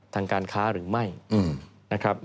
ทางการค้าหรือไม่นะครับ